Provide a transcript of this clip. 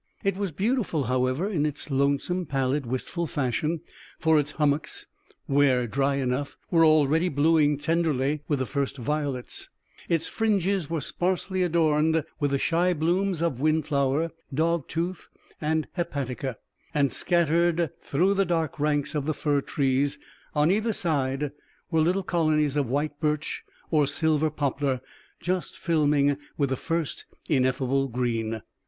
It was beautiful, however, in its lonesome, pallid, wistful fashion, for its hummocks, where dry enough, were already bluing tenderly with the first violets, its fringes were sparsely adorned with the shy blooms of wind flower, dog tooth, and hepatica, and scattered through the dark ranks of the fir trees on either side were little colonies of white birch or silver poplar, just filming with the first ineffable green.